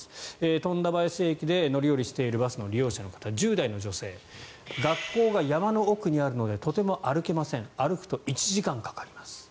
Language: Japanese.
富田林駅で乗り降りしているバスの利用者の方１０代の女性学校が山の奥にあるのでとても歩けません歩くと１時間かかります。